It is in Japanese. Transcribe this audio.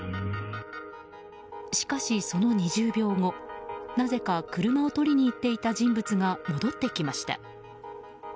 しかし、その２０秒後、なぜか車を取りに行っていた人物が戻ってきました。